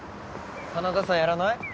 真田さんやらない？